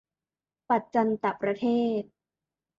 ปัจจันตประเทศ